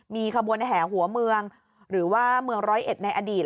มีคบวนแห่หัวเมืองหรือว่าเมือง๑๐๑ในอดีต